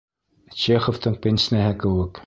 Чеховтың пенснеһы кеүек.